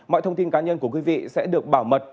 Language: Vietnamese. mọi thông tin cá nhân của quý vị sẽ được bảo mật